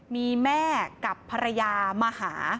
มีแม่กับภรรยามาหา